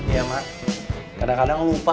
iya mak kadang kadang lupa